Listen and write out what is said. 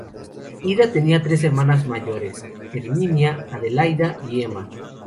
Ida tenía tres hermanas mayores: Herminia, Adelaida, y Emma.